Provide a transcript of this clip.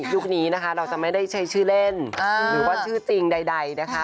ยุคนี้นะคะเราจะไม่ได้ใช้ชื่อเล่นหรือว่าชื่อจริงใดนะคะ